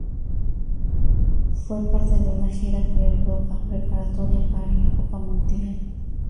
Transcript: Fue parte de una gira por Europa preparatoria para la Copa Mundial.